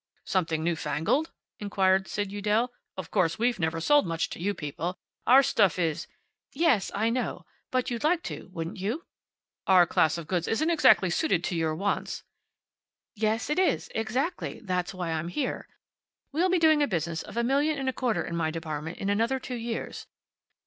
"Something new fangled?" inquired Sid Udell. "Of course, we've never sold much to you people. Our stuff is " "Yes, I know. But you'd like to, wouldn't you?" "Our class of goods isn't exactly suited to your wants." "Yes, it is. Exactly. That's why I'm here. We'll be doing a business of a million and a quarter in my department in another two years.